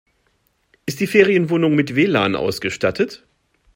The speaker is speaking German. Ist die Ferienwohnung mit WLAN ausgestattet?